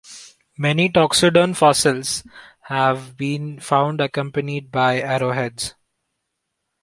Many "Toxodon" fossils have been found accompanied by arrow heads.